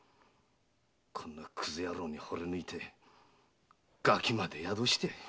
こんなクズ野郎に惚れ抜いてガキまで宿して。